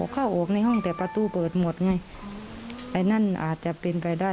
เข้าออกในห้องแต่ประตูเปิดหมดไงไอ้นั่นอาจจะเป็นไปได้